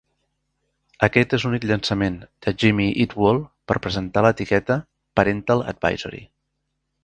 Aquest és l'únic llançament de Jimmy Eat World per presentar l'etiqueta "Parental Advisory".